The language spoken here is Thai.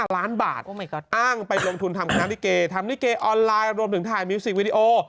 ล้านบาทอ้างไปลงทุนทำคณะลิเกทำลิเกออนไลน์รวมถึงถ่ายมิวสิกวิดีโอ